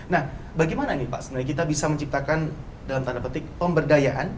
nah bagaimana nih pak sebenarnya kita bisa menciptakan dalam tanda petik pemberdayaan